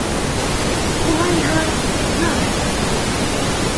Улайһа, ярай.